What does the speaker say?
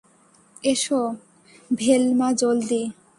এসো, ভেলমা, জলদি।